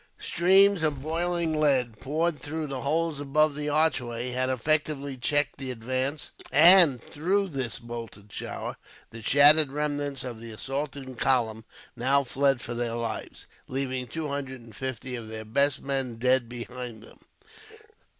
Streams of boiling lead, poured through the holes above the archway, had effectually checked the advance; and through this molten shower, the shattered remnants of the assaulting column now fled for their lives, leaving two hundred and fifty of their best men dead behind them.